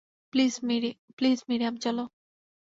Please, Miriam, চলো।